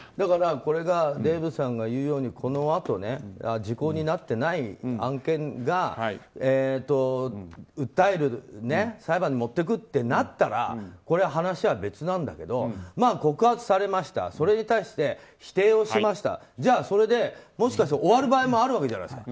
これがデーブさんが言うようにこのあと時効になってない案件が訴える裁判に持っていくってなったらこれは話は別なんだけど告発されましたそれに対して否定をしましたじゃあ、それでもしかして終わる場合もあるわけじゃないですか。